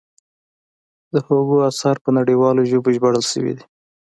د هوګو اثار په نړیوالو ژبو ژباړل شوي دي.